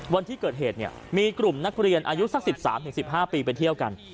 วันที่เกิดเหตุเนี่ยมีกลุ่มนักเรียนอายุสัก๑๓๑๕ปีไปเที่ยวกัน